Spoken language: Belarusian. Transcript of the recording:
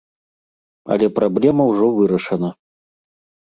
Але праблема ўжо вырашана.